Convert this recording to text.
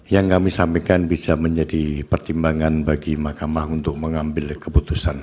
yang kami sampaikan bisa menjadi pertimbangan bagi mahkamah untuk mengambil keputusan